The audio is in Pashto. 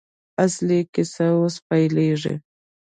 اصلي کیسه اوس پیلېږي.